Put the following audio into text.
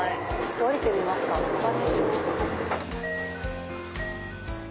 降りてみますか黄金町。